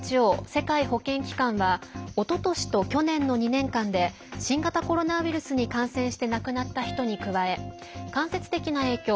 ＷＨＯ＝世界保健機関はおととしと去年の２年間で新型コロナウイルスに感染して亡くなった人に加え間接的な影響